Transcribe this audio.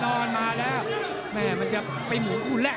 โดรนโดรนเข้าไปแล้ว